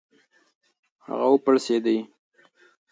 هغه و پړسېډی .